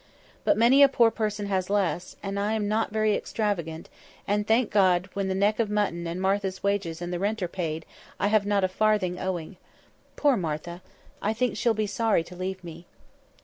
But many a poor person has less, and I am not very extravagant, and, thank God, when the neck of mutton, and Martha's wages, and the rent are paid, I have not a farthing owing. Poor Martha! I think she'll be sorry to leave me."